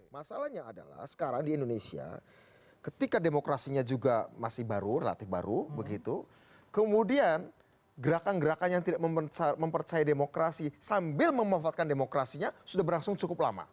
masalahnya adalah sekarang di indonesia ketika demokrasinya juga masih baru relatif baru begitu kemudian gerakan gerakan yang tidak mempercaya demokrasi sambil memanfaatkan demokrasinya sudah berlangsung cukup lama